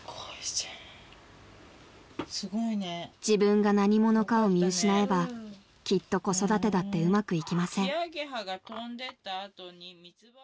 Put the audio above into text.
［自分が何者かを見失えばきっと子育てだってうまくいきません］